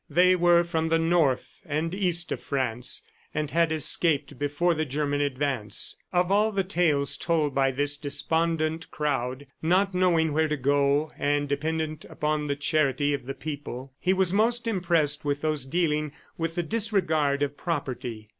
They were from the North and East of France, and had escaped before the German advance. Of all the tales told by this despondent crowd not knowing where to go and dependent upon the charity of the people he was most impressed with those dealing with the disregard of property.